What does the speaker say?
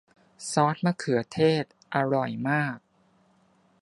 ซอสมะเขือเทศอร่อยมาก